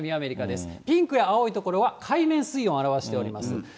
青い所は海面水温を表しております。